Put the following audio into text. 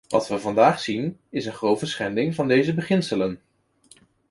Wat we vandaag zien, is een grove schending van deze beginselen.